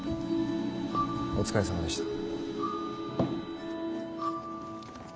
お疲れさまでした。